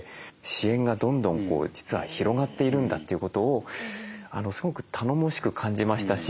支援がどんどん実は広がっているんだということをすごく頼もしく感じましたし